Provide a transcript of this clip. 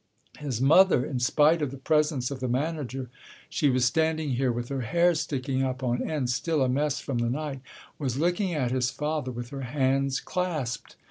His mother—in spite of the presence of the manager she was standing here with her hair sticking up on end, still a mess from the night—was looking at his father with her hands clasped.